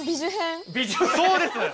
そうです！